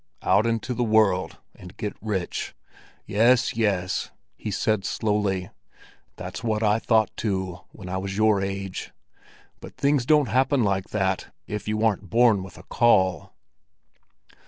"Out into the world and get rich! Yes, yes," he said slowly; "that's what I thought, too, when I was your age. But things don't happen like that—if you aren't born with a caul."